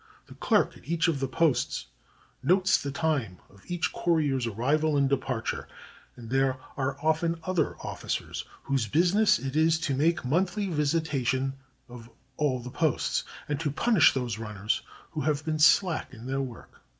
The clerk at each of the posts notes the time of each courier's arrival and departure; and there are often other officers whose business it is to make monthly visitations of all the posts, and to punish those runners who have been slack in their work.)